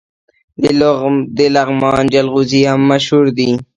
د لغمان جلغوزي هم مشهور دي.